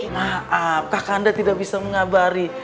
maaf kakak anda tidak bisa mengabari